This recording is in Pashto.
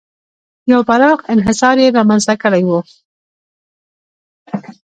یو پراخ انحصار یې رامنځته کړی و.